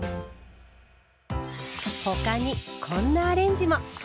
他にこんなアレンジも！